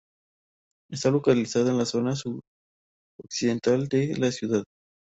Está localizada en la zona suroccidental de la ciudad.